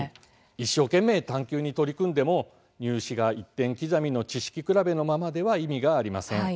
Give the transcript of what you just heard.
一生懸命「探究」に取り組んでも入試が１点刻みの知識比べのままでは意味がありません。